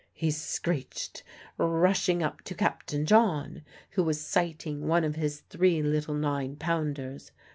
he screeched, rushing up to Captain John, who was sighting one of his three little nine pounders.